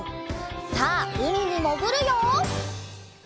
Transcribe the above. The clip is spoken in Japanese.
さあうみにもぐるよ！